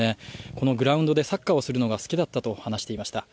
このグラウンドでサッカーをするのが好きだったと話していました。